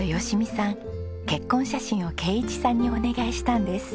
結婚写真を啓一さんにお願いしたんです。